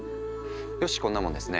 よしこんなもんですね。